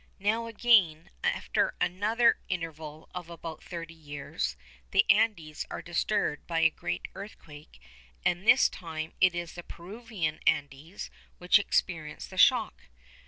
Now, again, after another interval of about thirty years, the Andes are disturbed by a great earthquake, and this time it is the Peruvian Andes which experience the shock.